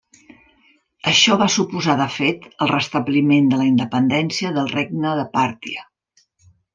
Això va suposar de fet el restabliment de la independència del regne de Pàrtia.